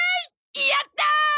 やったー！